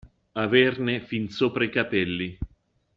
Averne fin sopra i capelli.